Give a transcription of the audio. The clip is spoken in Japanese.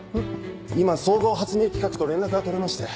今総合発明企画と連絡が取れまして。